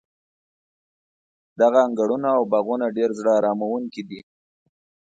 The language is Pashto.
دغه انګړونه او باغونه ډېر زړه اراموونکي دي.